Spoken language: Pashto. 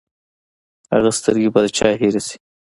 هغه سترګې به د چا هېرې شي!